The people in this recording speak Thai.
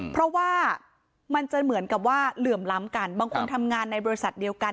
เพราะว่ามันจะเหมือนกับว่าเหลื่อมล้ำกันบางคนทำงานในบริษัทเดียวกัน